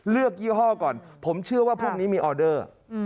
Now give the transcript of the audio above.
ยี่ห้อก่อนผมเชื่อว่าพรุ่งนี้มีออเดอร์